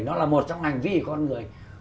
nó là một trong hành vi của con người